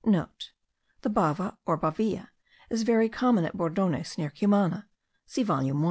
(* The bava, or bavilla, is very common at Bordones, near Cumana. See volume 1.